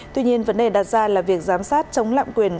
tuy nhiên vấn đề đặt ra là việc giám sát chống lạm quyền